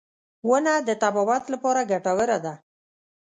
• ونه د طبابت لپاره ګټوره ده.